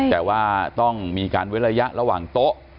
แต่ว่าต้องมีการเว้นระยะระหว่างโต๊ะ